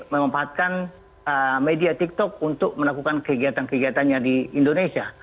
memanfaatkan media tiktok untuk melakukan kegiatan kegiatannya di indonesia